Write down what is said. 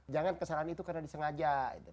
jangan kesalahan itu karena disengaja